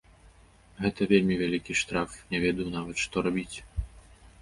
Гэта вельмі вялікі штраф, не ведаю нават, што рабіць.